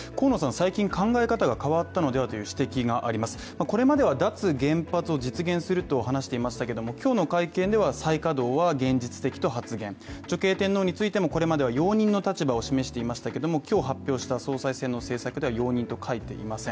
最近、考え方が変わったのでは？という指摘があります、これまでは脱原発を実現すると話していましたけれども今日の会見では再稼働は現実的と発言、女系天皇についてもこれまでは容認の立場を示していましたけども今日、発表した総裁選の政策では容認と書いていません。